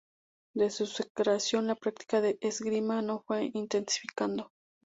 Desde su creación la práctica de Esgrima se fue intensificando.